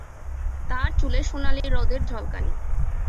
তার চুলে সোনালী রোদের ঝলকানি।